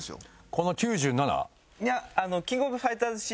この『’９７』？